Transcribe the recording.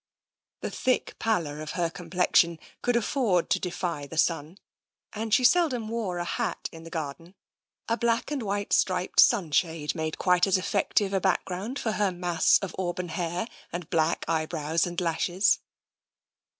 The thick pallor of her complex ion could afford to defy the sun, and she seldom wore 32 TENSION a hat in the garden. A black and white striped sun shade made quite as effective a background for her mass of auburn hair and black eyebrows and lashes.